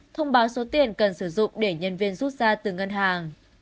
thông báo số tiền cần sử dụng để nhân viên rút ra từ ngân hàng